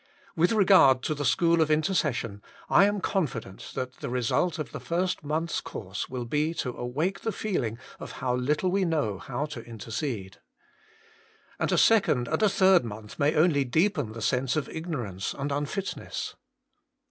With regard to the school of intercession, I am confident that the result of the first month s course will be to awake the feeling of how little we know how to intercede. And a second and a third month may only deepen the sense of ignorance and unfitness.